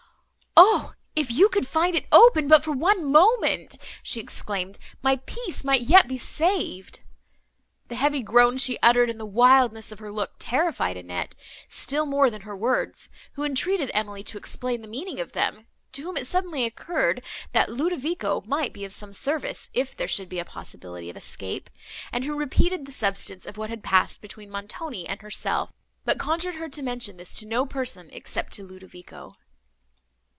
"O! if you could find it open, but for one moment!" she exclaimed, "my peace might yet be saved!" The heavy groan she uttered, and the wildness of her look, terrified Annette, still more than her words; who entreated Emily to explain the meaning of them, to whom it suddenly occurred, that Ludovico might be of some service, if there should be a possibility of escape, and who repeated the substance of what had passed between Montoni and herself, but conjured her to mention this to no person except to Ludovico.